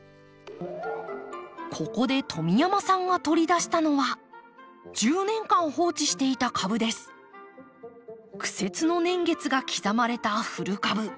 ここで富山さんが取り出したのは苦節の年月が刻まれた古株。